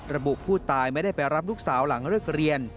ระบุผู้ตายไม่ได้ไปรับลูกสาวหลังเลิกเรียน